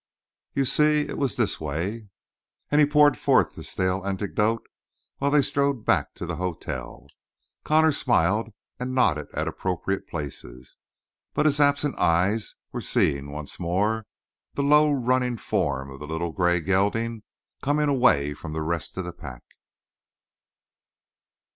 "You see, it was this way " And he poured forth the stale anecdote while they strolled back to the hotel. Connor smiled and nodded at appropriate places, but his absent eyes were seeing, once more, the low running form of the little gray gelding coming away from the rest of the pack.